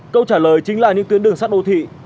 câu trả lời chính là những tuyến đường sắt đô thị